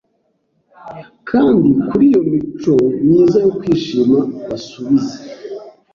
Kandi kuri iyo mico myiza yo kwishima basubize